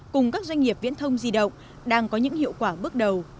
cùng các doanh nghiệp viễn thông di động đang có những hiệu quả bước đầu